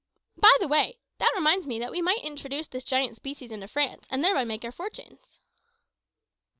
By the way, that reminds me that we might introduce this giant species into France, and thereby make our fortunes."